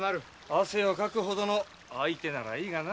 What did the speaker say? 汗をかくほどの相手ではないがな。